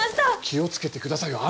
気をつけてくださいよ。